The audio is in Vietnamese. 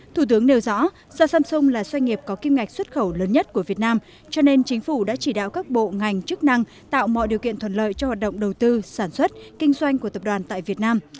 thủ tướng nêu rõ do samsung là doanh nghiệp có kim ngạch xuất khẩu lớn nhất của việt nam cho nên chính phủ đã chỉ đạo các bộ ngành chức năng tạo mọi điều kiện thuận lợi cho hoạt động đầu tư sản xuất kinh doanh của tập đoàn tại việt nam